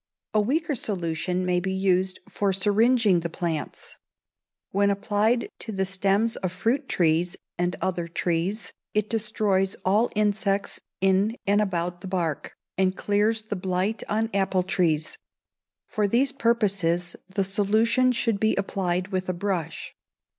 A weaker solution may be used for syringing the plants. When applied to the stems of fruit trees, and other trees, it destroys all insects in and about the bark, and clears the blight on apple trees. For these purposes the solution should be applied with a brush.